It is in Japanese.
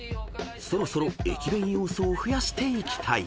［そろそろ駅弁要素を増やしていきたい］